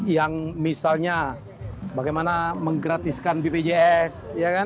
yang misalnya bagaimana menggratiskan bpjs